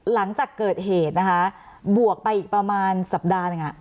หลังจากเกิดเหตุนะคะบวกไปอีกประมาณสัปดาห์หนึ่ง